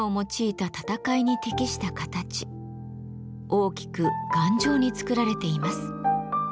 大きく頑丈に作られています。